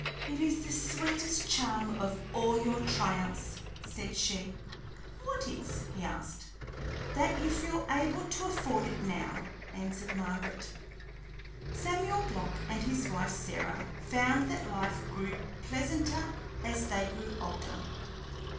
"It is the sweetest charm of all your triumphs!" said she. "What is?" he asked. "That you feel able to afford it now," answered Margaret. Samuel Block and his wife Sarah found that life grew pleasanter as they grew older.